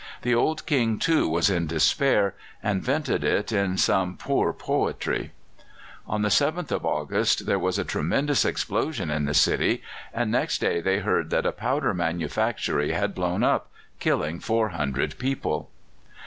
The old King, too, was in despair, and vented it in some poor poetry. On the 7th of August there was a tremendous explosion in the city, and next day they heard that a powder manufactory had blown up, killing 400 people.